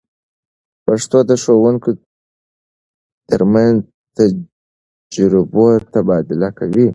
پښتو د ښوونکو تر منځ د تجربو تبادله کوي.